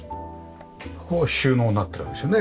ここが収納になってるわけですよね？